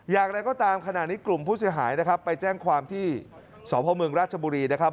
อย่างไรก็ตามขณะนี้กลุ่มผู้เสียหายนะครับไปแจ้งความที่สพเมืองราชบุรีนะครับ